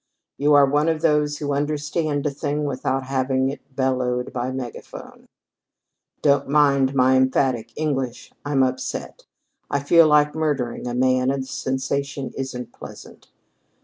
You are one of those who understand a thing without having it bellowed by megaphone. "Don't mind my emphatic English. I'm upset. I feel like murdering a man, and the sensation isn't pleasant.